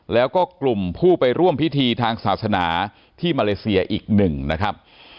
แล้วก็กลุ่มผู้ไปร่วมพิธีทางศาสนาที่มาเลเซียอีกหนึ่งนะครับ